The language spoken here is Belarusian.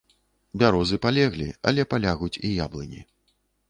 Бярозы палеглі, але палягуць і яблыні.